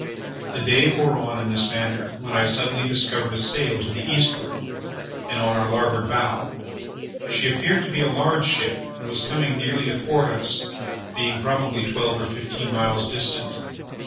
The day wore on in this manner, when I suddenly discovered a sail to the eastward, and on our larboard bow. She appeared to be a large ship, and was coming nearly athwart us, being probably twelve or fifteen miles distant.